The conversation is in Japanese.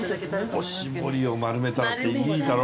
『おしぼりをまるめたら』っていいだろ？